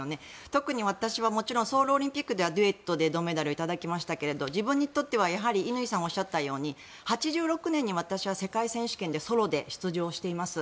特に私はもちろんソウルオリンピックではデュエットで銅メダルを頂きましたけど自分にとっては乾さんがおっしゃったように８６年に私は世界選手権でソロで出場しています。